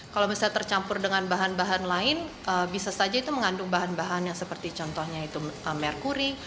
kalau misalnya tercampur dengan bahan bahan lain bisa saja itu mengandung bahan bahan yang seperti contohnya itu merkuri